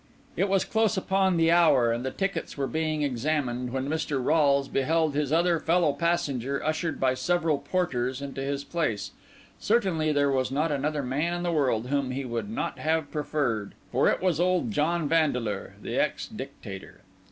It was close upon the hour, and the tickets were being examined, when Mr. Rolles beheld this other fellow passenger ushered by several porters into his place; certainly, there was not another man in the world whom he would not have preferred—for it was old John Vandeleur, the ex Dictator.